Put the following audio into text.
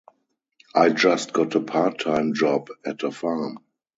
I just got a part time job at a farm.